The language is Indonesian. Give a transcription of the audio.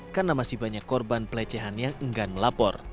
karena masih banyak korban pelecehan yang enggan melapor